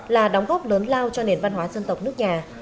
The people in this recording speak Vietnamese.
là đóng góp lớn lao cho nền văn hóa dân tộc nước nhà